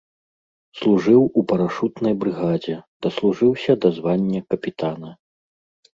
Служыў у парашутнай брыгадзе, даслужыўся да звання капітана.